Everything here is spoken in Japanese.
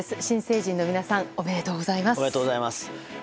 新成人の皆さんおめでとうございます。